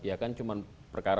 ya kan cuma perkara